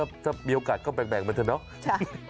อ้าวถ้ามีโอกาสก็แบ่งมันเถอะเนอะใช่